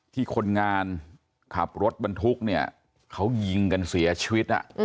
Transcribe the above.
คนงานขับรถบรรทุกเนี่ยเขายิงกันเสียชีวิต